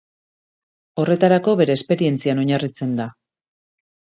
Horretarako bere esperientzian oinarritzen da.